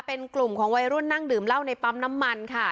เป็นกลุ่มของวัยรุ่นนั่งดื่มเหล้าในปั๊มน้ำมันค่ะ